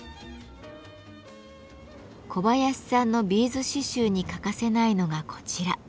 小林さんのビーズ刺繍に欠かせないのがこちら。